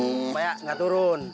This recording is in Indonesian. supaya gak turun